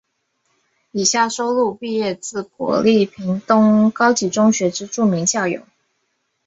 以下收录毕业自国立屏东高级中学之著名校友。